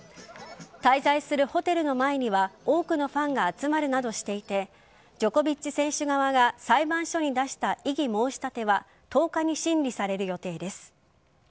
滞在するホテルの前には多くのファンが集まるなどしていてジョコビッチ選手側が裁判所に出した異議申し立ては１０日に審理される予定です。